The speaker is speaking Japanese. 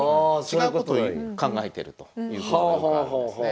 違うこと考えてるということがよくあるんですね。